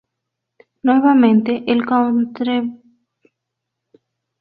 Nuevamente, el contrabando se erigió como la alternativa.